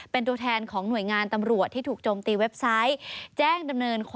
เป็นตัวแทนของหน่วยงานตำรวจที่ถูกจงตีเว็บไซต์